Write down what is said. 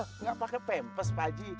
enggak pakai pempes baji